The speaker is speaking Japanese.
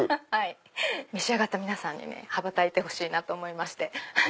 召し上がった皆さんに羽ばたいてほしいなと思いまして。